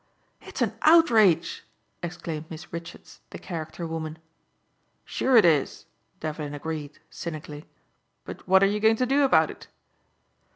"It's an outrage," exclaimed Miss Richards the character woman. "Sure it is," Devlin agreed cynically, "but what are you going to do about it?"